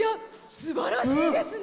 すばらしいですね！